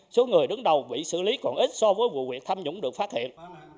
số người đứng đầu bị xử lý còn ít so với vụ việc tham dũng được phát hiện